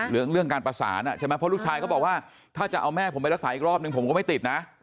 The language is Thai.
เรื่องการประสานใช่ไหมเพราะลูกชายก็บอกว่าถ้าจะเอาแม่ผมไปรักษาอีกรอบนึงผมก็ไม่ติดนะ